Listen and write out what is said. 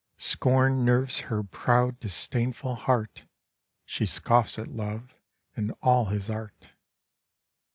Scorn nerves her proud, disdainful heart ! She scoffs at Love and all his art